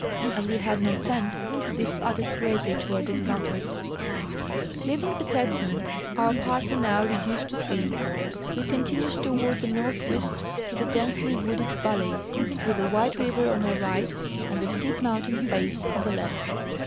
As Ave had no tent, this added greatly to our discomfort. Leaving the Kletsan, our party noAv reduced to three, Ave con tinued toAvard the north Avest through the densely wooded valley, Avith the White river on our right and the steep mountain face on the left.